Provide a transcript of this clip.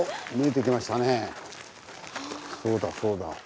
そうだそうだ。